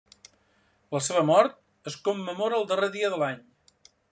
La seva mort es commemora el darrer dia de l'any.